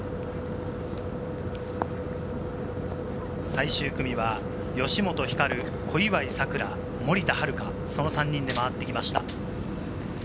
最終組は吉本ひかる、小祝さくら、森田遥、その３人で回ってきました。